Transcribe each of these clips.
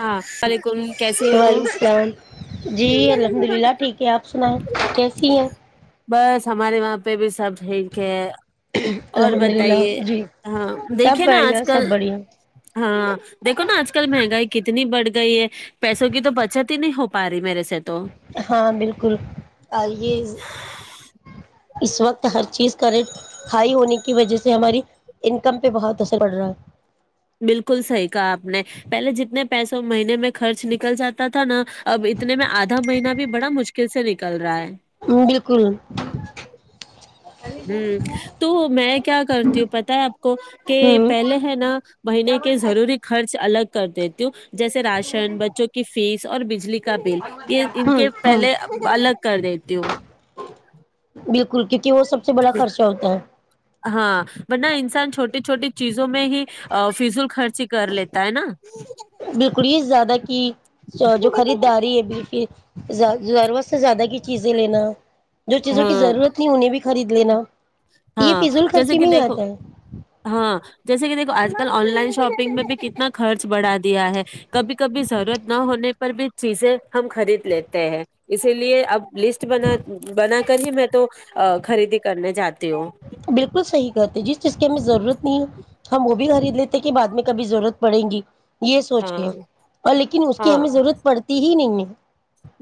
ہاں وعلیکم کیسے ہو وعلیکم السلام جی الحمد للہ ٹھیک ہے آپ سناائیں کیسی ہیں بس ہمارے وہاں پہ بھی سب ٹھیک ہے اور الحمد للہ بتائیے جی ہاں سب دیکھیے نا آج بڑھیا سب کل بڑھیا ہاں دیکھو نا آج کل مہنگائی بڑھ گئی ہے پیسوں کی تو بچت ہی نہیں ہو پا رہی میرے سے تو ہاں بالکل آئیے اس وقت ہر چیز کا ریٹ ہائی ہونے کی وجہ سے ہماری انکم پہ بہت اثر پڑ رہا ہے بالکل صحیح کہا آپ نے پہلے جتنے پیسوں مہینے میں خرچ نکل جاتا تھا نا اب اتنے میں آدھا مہینہ بھی بڑا مشکل سے نکل رہا ہے ہ بالکل ہوں تو میں کیا کرتی ہوں پتا ہے آپ کو کہ ہوں پہلے ہے نا مہینے کے ضروری خرچ الگ کر دیتی ہوں جیسے راشن بچوں کی فیس اور بجلی کا بل یہ ان ہوں کے ہوں پہلے الگ کر دیتی ہوں ک وہ سب سے بڑا خرچہ ہوتا ہے ہاں ورنہ انسان چھوٹی چھوٹی چیزوں میں ہی فضل خرچ ہی کر لیتا ہے نا بالکل ہی زیادہ کی جو خریداری ہے بالک رورت سے زیادہ زدہ کی چیزیں لینا جو چیزوں کی ہاں ضرورت نہیں انہیں بھی خرید لینا یہ ہاں فضول جیسے خرچی کہ میں ہی دیکھو آتا ہے ہاں جیسے کہ دیکھو آج کل آن لائن شاپنگ میں بھی کتنا خرچ بڑھا دیا ہے کبھی کبھی ضرورت نہ ہونے پر بھی چیزیں ہم خرید لیتے ہیں اسی لیے اب لسٹ بنا بنا کر ہی میں تو خریدی کرنے جاتی ہوں بالکل صحیح کہتے جی جس کی ہمیں ضرورت نہیں ہے ہم وہ بھی خرید لیتے کہ بعد میں کبھی ضرورت پڑیں گی یہ سوچ ہاں کے اور لیکن اس کی ہاں ہمیں ضرورت پڑتی ج نہیںگ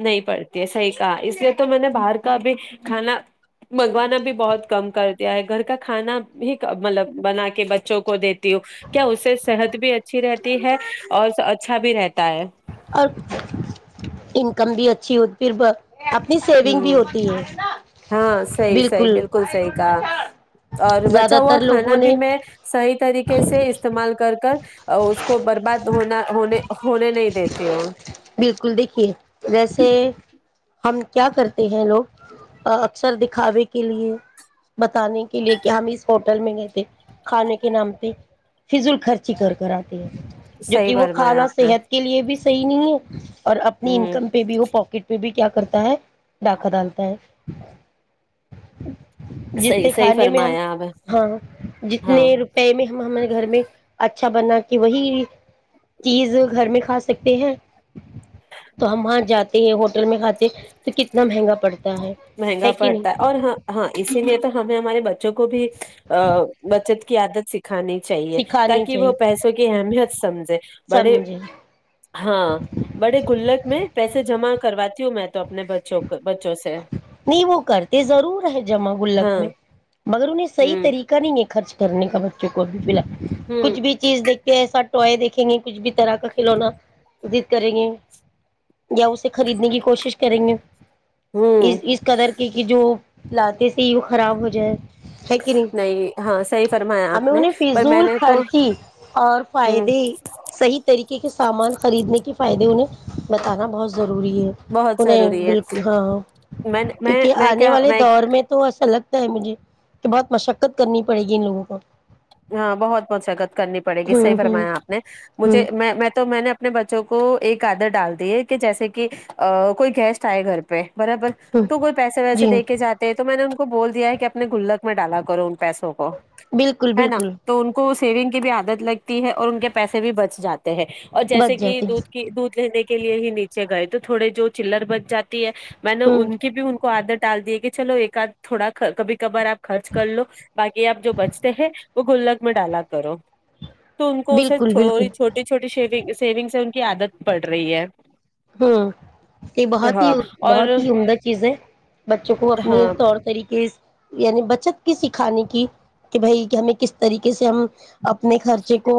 نہیں پڑتی ہے صحیح کہا اس لیے تو میں نے باہر کا بھی کھانا منگوانا بھی بہت کم کر دیا ہے گھر کا کھانا بھی مطلب بنا کے بچوں کو دیتی ہوں کیا اس سے صحت بھی اچھی رہتی ہے اور اچھا بھی رہتا ہے اور انکم بھی اچھی ہو پھر اپنی سیونگ بھی ہوں ہوتی ہے ہاں صحیح صحی بالکل صحیح کہا اور زیادہ بچا ہوا تر لوگوں کھانا بھی نے میں صحیح طریقے سے استعمال کر کر اس کو برباد ہونا ہونے ہونے نہیں دیتے ہو بالکل دیکھیے ویسے ہم کیا کرتے ہیں لوگ اکثر دکھاوے کے لیے بتانے کے لیے کہ ہم اس ہوٹل میں گئے تھ کھانے کے نام پہ فض ال خرچی کر کر آتے جو صحیح کہ وہ فرمایا کھانا آپ نے صحت کے لیے بھی صحیح نہیں ہے جی اور اپنی ہوں انکم پہ بھی ہو پاکٹ پہ بھی کیا کرتا ہے ڈاکاکہ ڈالتا ہے صحیح جتنے صحیح کھانے میں ہم فرمایا آپ ہاں ہاں جتنے روپئے میں ہم ہمارے گھر میں اچھا بنا کے وہی چیز گھر میں کھا سکتے ہیں تو ہم وہاں جاتے ہیں ہوٹل میں کھاتے تو کتنا مہنگا پڑتا ہے مہنگا کہ نہیں پڑتا ہے اوراں ہاں اسی لیے تو ہمیں ہمارے ب ج کو بھی ا بچت کی عادت س کھانی چاہیے سکھانی تاکہ وہ چاہیے پیسوں کی اہمیت سمجھے بڑے سمجھے ہاں بڑے گلک میں پیسے جمع کراتتی ہوں میں تو اپنے بچوں کو بچوں سے نہیں وہ کرتے ضرور ہے جمع ہاں گلک میں مگر انہیں صح ہوں طریقہ نہیں ہے خرچ کرنے کا بچوں کو ابھی ف ال ہوں کچھ بھی چیز دیکھ کے س ٹوئے دیکھیں گے کچھ بھی طرح کا کھلونات کریں گے یا اسے خریدنے کی کوشش کریں گے اس ہوں اس قدر کی کی جو لاتے سے ہی وہ خراب ہو جائے ہے کہ نہیں ہاں صحیح فرمایا آپ ہمیں نے انہیں پر میں فضول نے تو خرچی اور ہ فائدے صحیح طریقے کے سامان خریدنے کے فائدے انہیں بتانا بہت ضروری ہے بہت ہیں ضروری ہے بالکل ہاں میں میں کیونکہ میں آنے کیا والے دور میں تو اصل لگتا ہے مجھے کہ بہت مشقت کرنی پڑے گی ان لوگوں کو ہاں بہت بہت شگت کرنی پڑے گی صحی ہوں ہوں فرمایا آپ نے مجھے ہوں میں میں تو میں نے اپنے ب بچوں کو ایک آدر ڈال دی ہے کہ جیسے کہ کوئی گیسٹ آئے گھر پہ برابر ہوں تو کوئی پیسے ویسے جی دے کے جاتے ہیں تو میں نے کو بول دیا ہے کہ اپنے گلک میں ڈالا کرو ان پیسوں کو بالکل ہے نا بالکل تو ان کو اس سیونگ کی بھی عادت لگتی ہے اور ان کے پیسے بھی بچ جاتے ہیں ہیں اور جیسے بچ کہ جاتے ہیں دودھ کی دودھ لینے کے کے لیے ہی نیچے گئے تو تھوڑے جو چر بچ جاتی ہے میں نے ہوں ان کی بھی ان کو آادت ڈال دیے کہ چلو ایک آدھ تھوڑا کبھی کبار آپ خرچ کر لو باقی آپ جو بچ وہ گلک میں ڈالا کرو تو ان کو اسے بالکل بالکل تھوڑی چھوٹی چھوٹی شیونگ سیونگ سے ان کی عادت پڑ رہی ہے ہوں یہ بہت ہی ہاں اور بہت ہی عمدہ چیز ہے بچوں کو اپنے ہاں طور طریقے یعنی بچت سکھانے کی کہ بھائی ہمیں کس طریقے سے ہم اپنے خرچے کو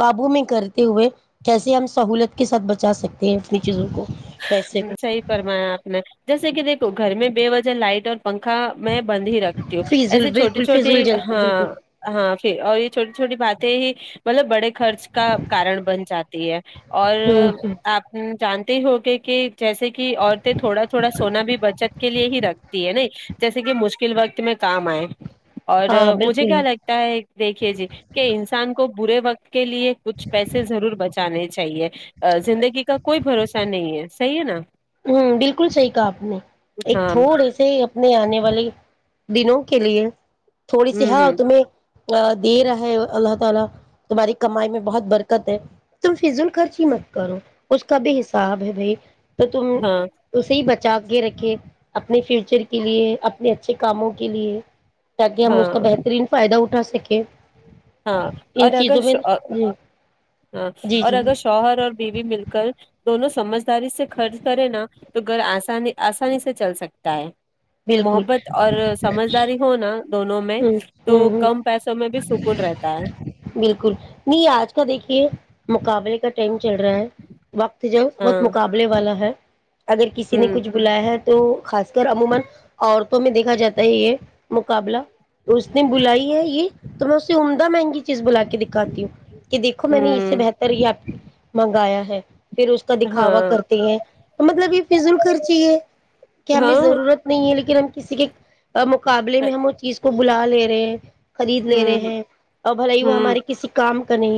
قابو میں کرتے ہوئے کیسے ہم سہولت کے ساتھ بچا سکتے ہیں اپنی چیزوں کو پیسے کو صحیح فرمایا آپ نے جیسے کہ دیکھو گھر میں بے وجن لائٹ اور پنکھا میں بند ہی رکھتی ہوں فیضل ایسے چھوٹی بالکل فیضل چھوٹی جلتی بالکل ہاں ہاں پھر اور یہ چھوٹی چھوٹی بات ت ہی [unintelligible] مطلب بڑے خرچ کا کارن بن جاتی ہے اور ہوں ہ آپ جان ہوگ [unintelligible] کہ [unintelligible] جیسے کہ عورتیں تھوڑا تھوڑا سونا بھی بچت کے لیے ہی رکھتی ہے نا جیسے کہ مشکل وقت میں کام آئے اور ہاں مجھے بالکل کیا لگتا ہے دیکھیے جی کہ انسان کو برے وقت کے لیے کچھ پیسے ضرور بچانے ج چاہیے ا زندگی کا کوئی بھروسہ نہیں ہے صحی ہے نا ہوں بالکل صحیح کہا آپ نے ایک ہاں تھوڑے سے اپنے آنے والے دنوں کے لیے تھوڑی سی ہوں ہاںؤ ہوں تمہیں [unintelligible] تو تم ہاں اسے بچ جاگے رکھے اپنے فیوچر کے لیے اپنے اچھے کاموں کے لیے تاکہ ہم اس کا ہاں بہترین فائدہ اٹھا سک [unintelligible] ہاں اور اگر جی ہاں جی اور جی اگر شوہر اور بیوی مل کر دونوں سمجھداری سے خرچ کرے نا تو گھر آسانی آسانی سے چل سکتا ہے بالکل محبت اور سمجھداری ہوناا دونوں میں ہ ہ تو ہ کم پیسوں میں بھی س بالکل نہیں آج کا دیکھیے مقابلے کا ٹائم چل رہا ہے وقت جوب بہت ہاں مقابلے والا ہے اگر کسی نے ہوں کچھ بلایا ہے تو خاص کر عموما عتوں میں دیکھا جاتا ہے یہ مقابلہ اس نے بلائی ہے یہ تو میں اسے عمدہ مہنگی چیز بلا کے دکھاتی ہوں کہ دیکھو میں نے اس سے ہوں بہتر یا منگایا ہے پھر اس کا دکھاوا ہاں کرتے ہیں تو مطلب یہ فض ال خرچی ہے کہ ہاں ہمیں ضرورت نہیں ہے لیکن ہم کسی کے مقابلے میں ہم اس چیز کو بلا لے ج خرید لے رہے ہوں ہیں اور بھل ہی وہ ہوں ہمارے کسی کام کنی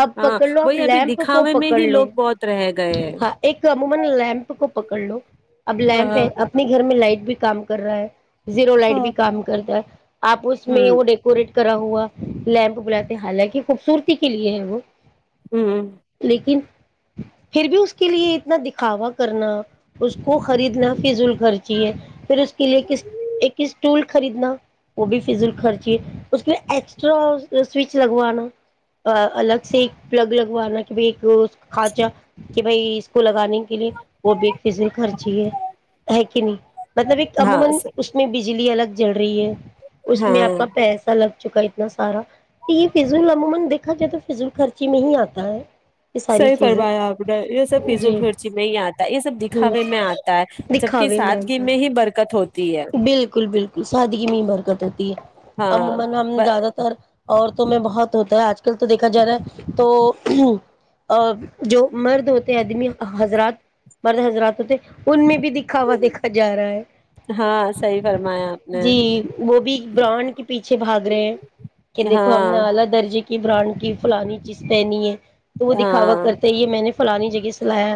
اب ہاں پکڑ لو وہی ابھی فلیمپ کو دکھاوے میں پکڑ ہی لو لوگ بہت رہ گئے ہیں ہاں ایک عموما پکڑ لو اب لمپ ہے ہاں اپنی گھر میں لائٹ بھی کام کر رہا ہاں ہے [inaudible] آپ اس میں ہوں وہ ڈیکوریٹ کرا ہوا لیمپ بلاتے حالانکہ خوبصورتی کے لیے ہے وہ ہوں لیکن پھر بھی اس کے لیے اتنا دکھاوا کرنا اس کو خریدنا فضول خرچ پھر اس کے لیے ٹول خریدنا وہ بھی فضل خرچی ہے اس کے لیے ایکسٹرا سوچ لگوانا الگ سے ایک پلگ لگوانا کہ ب خانچا کہ بھائی اس کو لگانے کے لیے وہ بھی ایک فضل خرچی ہے ہے کہ نہیں مطلب ایک ہاں عموما اس میں بجلی الگ جل رہی ہے اس میں آپ ہاں کا پیسہ لگ چکا ہے کیا سارا یہ فضل عموما دیکھا جائے تو فضول خرچی میں ہی اتا یہ ساری صحی چیزیں فرمایا آپ نے یہ سب فزو جی خرچی میں ہی آتا ہے یہ سب ہوں دکھاوے میں آتا ہے جبک دکھاوے میں سادگی میں ہی برکت ہوتی ہے بالکل بالکل سادگی می برکت ہوتی ہے عموما ہم نے ہاں زیادہ تر میں بہت ہوتا ہے آج کل تو دیکھا جا رہا ہے تو جو مرد ہوتے آدمی حضرات مرد حضرات ہوتے ان میں بھی دکھا جا رہا ہے ہاں صحیح فرمایا آپ نے جی وہ بھی برانڈ [inaudible] ہاں کی برانڈ کی فلانی چیز پہنی ہے تو وہ دکھاوا ہاں کرتا ہے یہ میں نے فلانی جگہ سلایا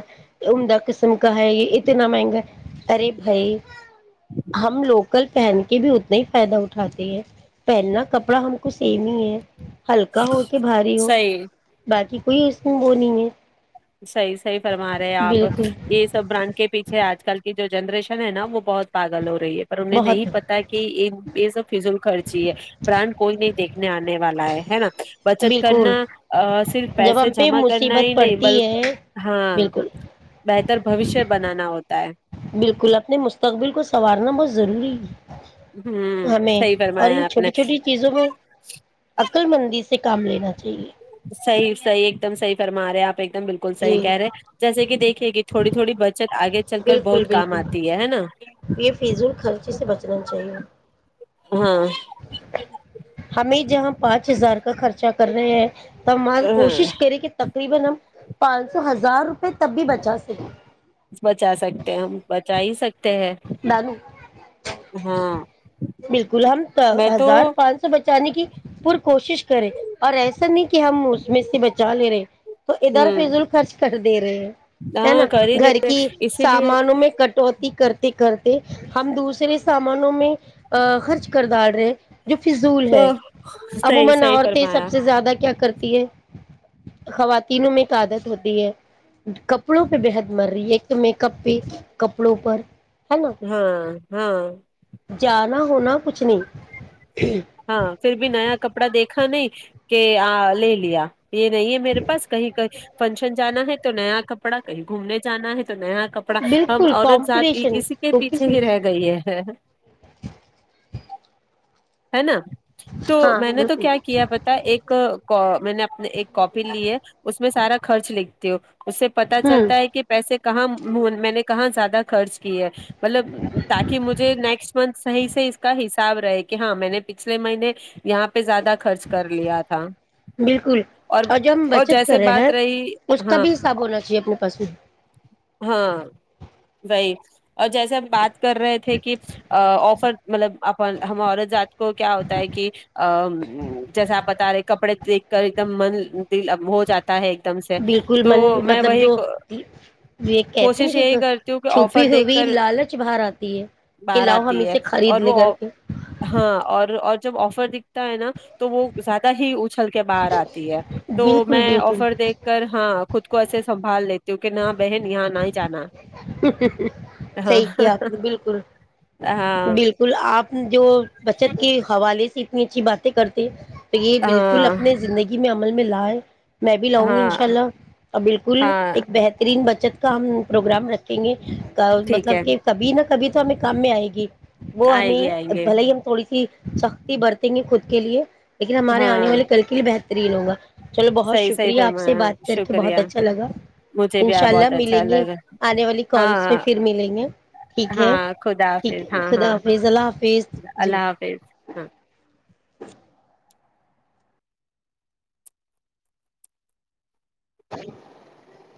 عمدہ قسم کا ہے یہ یہتنا مہنگا ہے ارے بھائی ہم لوکل پہن کے بھی اتنے فائدہ اٹھاتی ہے پہننا کپڑا ہم کو سیم ہی ہے ہلکا ہو کہ بھاری ہو صحیح باقی کوئی اس میں وہو نہیں ہے صحیح صحیح فرما رہے ہیں آپ بالکل یہ سب برانڈ کے پیچھے آج کل کی جو جنریشن ہے نا وہ بہت پال ہو رہی ہے پر انہیں بہت نہیں پتا کہ یہ سب فیزل خرچی ہے برانڈ کوئی نہیں دیکھنے آنے والا ہے ہے نا بچت بالکل کرنا صرف جب پیسے ہم پہ جمع کرنا ہی مصیبت نہیں پڑتی بلکہ ہے ہاں بالکل ب بھشیہ بنانا ہوتا ت بالکل اپنے مستقبل کو سنوارنا بہت ضروری ہے ہوں ہمیں صحی اور فرمایا ان آپ نے کل مندی سے کام لینا چاہیے صح ایک دم صحی فرما رہے آپ ایک بالکل صح جی کہہ رہے ہیں جیسے کہ دیکھیے کہ تھوڑی تھوڑی بچت آگے چل کر بالکل بہت کام بالکل آتی ہے ہے نا یہ فضول خرچی سے بچنا چاہیے ہاں ہمیں جہاں پانچ ہزار [inaudible] ہاں پانچ سو ہزار روپے تب بھی بچا سکے بچا سکتے ہیں ہم بچا ہی سکتے ہیں بالو ہاں بالکل ہم میں تو ہزار پانچ سو بچانے کی پور کوشش کریں اور ایسا نہیں کہ ہم اس میں سے بچا لے رہے تو ادھر ہوں فضل خرچ کر دے رہے ہیں ہے ہاں نا کر ہی گھر دیتے کی اسی لیے سامانوں میں کٹوتی کر کرتے ہم دوسرے سامانوں میں خرچ کر ڈال رہے تو صحیح صحیح فرمایا [inaudible] خواتینوں میں ایک عادت ہوتی ہے کپڑوں پہ بےحد مر رہی ہے ایک تو میک اپ پہ کپڑوں پر ہے نا ہاں ہاں نا ہونا کچھ نہیں ہاں پھر بھی نیا کپڑا دیکھا نہیں کہ آ لے لیا یہ نہیں ہے میرے پاس کہیں کہ فنکشن جانا ہے تو نیا کپڑا کہیں گھومنے جانا ہے نیا کپڑا ہم بالکل عورت سذد کمپٹیشن اسی کے پیچھے ہی رہ گئی ہے ہے نا تو ہاں میں نے تو بالکل کیا کیا پتا ایک میں نے اپنے ایک کاپی لی ہے اس میں سارا خرچ لکھتے ہو اس سے پتا ہوں چلتا ہے کہ پیسے کہاں میں نے کہاں زیادہ خرچ ہے مطلب تاکہ مجھے نیکسٹ منتھ صح سے اس کا حساب رہے کہ ہاں میں نے پچھلے مہینے یہاں پہ زیادہ خرچ کر لیا تھا بالکل اور جو ہم اور بچت کر جیسے رہے ہیں بات رہی اس کا ہاں بھی حساب ہونا چاہیے اپنے پاس میں ہاں وہی اور جیسے ہم بات کر رہے تھے کہ آفر مطلب اپ ہمت جات کو کیا ہوتا ہے کہ جیسا آپ بتا رہے کہ کپڑے دیکھ کر ایک دم من دل ہو جاتا ہے ایک دم سے بالکل تو من میں مطلب وہی جو یہ کہتے کوشش نا یہی کہ کرتی ہوں آفر چھپی دیکھ ہوئی کر لالچ بار آتی ہے کہ باہر لاؤ ہم آتی ہے اسے خرید اور لے وہ کر کے ہاں اور اور [unintelligible] جب آفر دکھتا ہے نا تو وہ زیادہ ہی ا چھل کے باہر آتی ہے تو بالکل میں بالکل آفر دیکھ کر ہاں خود کو ایسے سنبھال لیتی ہوں کہ نہ بہن یہاں نہ ہی جانا ہاں صحیح کیا آپ نے بالکل ہاں بالکل آپ جو بچت کے حوالے سے باتیں کرتے یہ بالکل ہاں اپنے زندگی میں عمل ملا ہے میں بھی لاؤں گی ان شاء ہاں اللہ اور بالکل ہاں ایک بہترین بچت کا پروگرام رکھ ے ٹھیک ہے مطلب کہ کبھی نہ کبھی تو ہمیں کام میں آئے گی وہ آئیں گے ہمیں آئیں گے بھل ہی ہم تھوڑی سی سختی برتیں گے خود کے لیے [unintelligible] لیکن ہمارے آنے ہاں والے کل کے لیے بہترین ہوگا چلو بہت صحیح صحیح شکریہ آپ سے فرمایا بات کر کے شکریہ بہت اچھا لگا مجھے ان بھی شاء آپ اللہ بہت اچھا ملیں گے لگا آنے والی ہاں کالس پ ہاں پھر ملیں گے ٹھیک ہے ہاں خدا ٹھیک حافظ ہے ہاں خدا ہاں حافظ اللہ حافظ جی اللہ حافظ ہاں [inaudible]